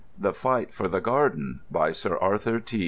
The Fight for the Garden By Sir Arthur T.